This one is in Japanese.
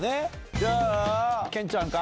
じゃあ健ちゃんか。